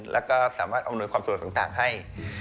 แล้วก็สามารถอำนวยความสะดวกต่างให้